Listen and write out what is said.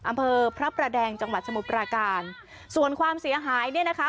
อำเภอพระประแดงจังหวัดสมุทรปราการส่วนความเสียหายเนี่ยนะคะ